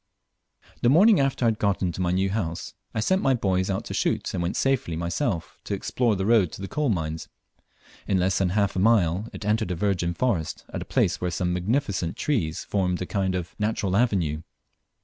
The morning after I had got into my new house, I sent my boys out to shoot, and went myself to explore the road to the coal mines. In less than half a mile it entered the virgin forest, at a place where some magnificent trees formed a kind of natural avenue.